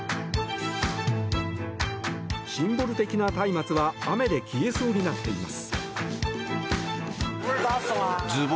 シンボル的なたいまつは雨で消えそうになっています。